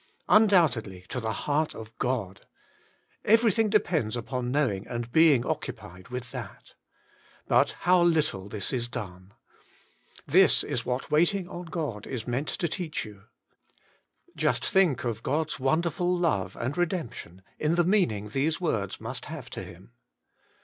Undoubtedly, to the heart of God : every thing depends upon knowing and being occupied with that. But how little this is done. This is what waiting on God is meant to teach you. Just think of God's wonderful love and redemp tion, in the meaning these words must have to Him.